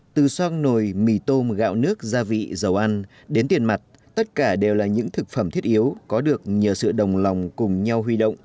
từ soang nồi mì tôm gạo nước gia vị dầu ăn đến tiền mặt tất cả đều là những thực phẩm thiết yếu có được nhờ sự đồng lòng cùng nhau huy động